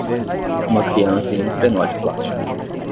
Uma criança em um trenó de plástico.